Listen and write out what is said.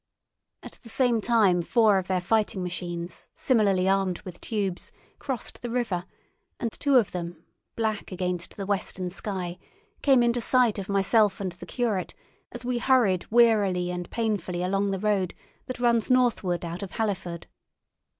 At the same time four of their fighting machines, similarly armed with tubes, crossed the river, and two of them, black against the western sky, came into sight of myself and the curate as we hurried wearily and painfully along the road that runs northward out of Halliford.